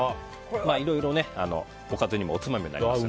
いろいろおかずにもおつまみにもなります。